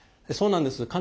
そうなんです。